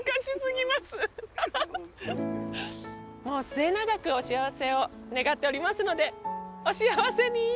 末永くお幸せを願っておりますのでお幸せにー！